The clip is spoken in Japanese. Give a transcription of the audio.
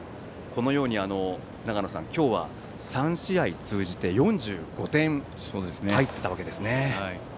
このように長野さん今日は３試合通じて４５点入ったわけですね。